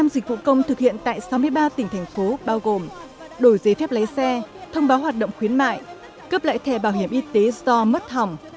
năm dịch vụ công thực hiện tại sáu mươi ba tỉnh thành phố bao gồm đổi giấy phép lấy xe thông báo hoạt động khuyến mại cấp lại thẻ bảo hiểm y tế do mất hỏng